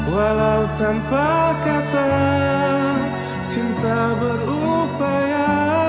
walau tanpa kata cinta berupaya